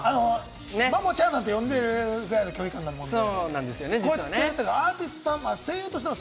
マモちゃんなんて呼んでるくらいの距離感なんで。